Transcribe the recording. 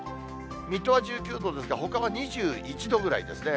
水戸は１９度ですが、ほかは２１度ぐらいですね。